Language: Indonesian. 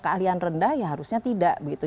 keahlian rendah ya harusnya tidak begitu